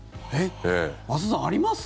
松尾さん、あります？